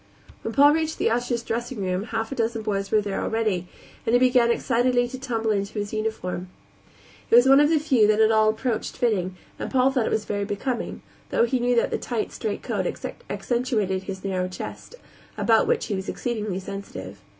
When Paul reached the ushers' dressing room half a dozen boys were there already, and he began excitedly to tumble into his uniform. It was one of the few that at all approached fitting, and Paul thought it very becoming though he knew that the tight, straight coat accentuated his narrow chest, about which he was exceedingly sensitive.